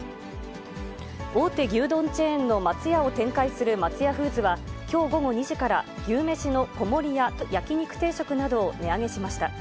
大手牛丼チェーンの松屋を展開する松屋フーズは、きょう午後２時から、牛めしの小盛や特盛、牛焼肉定食などを値上げしました。